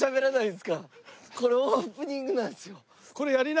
これオープニングなんですよ。